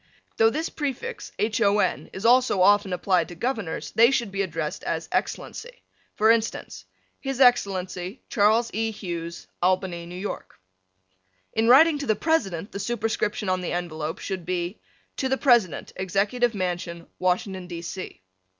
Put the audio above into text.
Though this prefix Hon. is also often applied to Governors they should be addressed as Excellency. For instance: His Excellency, Charles E. Hughes, Albany, N. Y. In writing to the President the superscription on the envelope should be To the President, Executive Mansion, Washington, D. C.